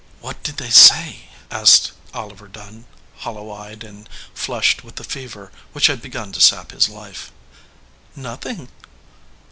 "What did they say?" asked Oliver Dunn, hol low eyed and flushed with the fever which had be gun to sap his life. "Nothing."